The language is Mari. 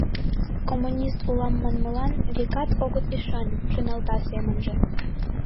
«Коммунист улам манмылан, векат, огыт ӱшане», — шоналта семынже.